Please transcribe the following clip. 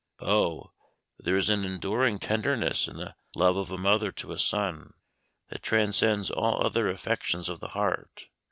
Oh, there is an enduring tenderness in the love of a mother to a son, that transcends all other affections of the heart.